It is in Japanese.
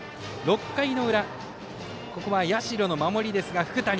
６回の裏ここは社の守りですが福谷。